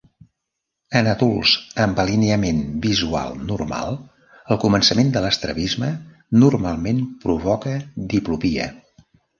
En adults amb alineament visual normal, el començament de l'estrabisme normalment provoca diplopia.